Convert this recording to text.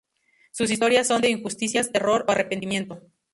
Sus historias son de injusticias, terror o arrepentimiento.